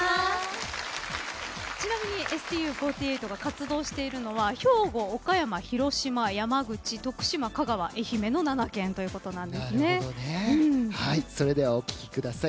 ちなみにＳＴＵ４８が活動しているのは兵庫、岡山、広島、山口徳島、香川、愛媛のそれではお聴きください。